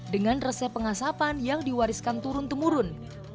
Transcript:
dengan resep pengasapan yang diwariskan turun temurun